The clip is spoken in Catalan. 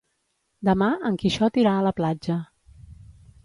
Demà en Quixot irà a la platja.